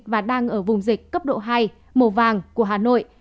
và đang ở vùng dịch cấp độ hai màu vàng của hà nội